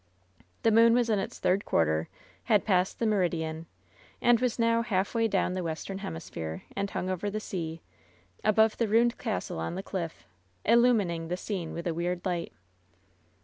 The moon was in its third quarter, had passed the meridian, and was now halfway down the western hemi sphere, and hung over the sea, above the ruined castle on the cliff, illumining the scene with a weird light.